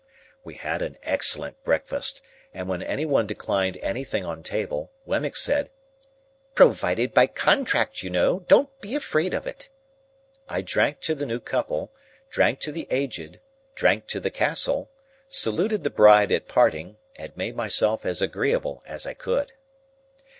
We had an excellent breakfast, and when any one declined anything on table, Wemmick said, "Provided by contract, you know; don't be afraid of it!" I drank to the new couple, drank to the Aged, drank to the Castle, saluted the bride at parting, and made myself as agreeable as I could.